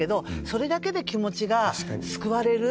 それだけで気持ちが救われる。